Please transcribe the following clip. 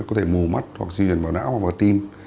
có thể mù mắt hoặc di chuyển vào não hoặc vào tim